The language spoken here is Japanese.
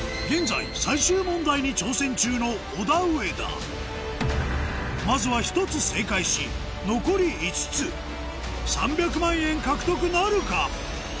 現在最終問題に挑戦中のまずは１つ正解し残り５つ３００万円獲得なるか？